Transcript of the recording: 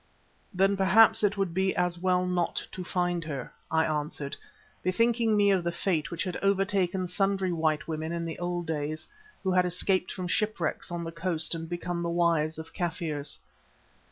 "Then perhaps it would be as well not to find her," I answered, bethinking me of the fate which had overtaken sundry white women in the old days, who had escaped from shipwrecks on the coast and become the wives of Kaffirs.